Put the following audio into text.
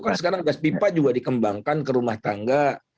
kan sekarang gas pipa juga dikembangkan ke rumah tangga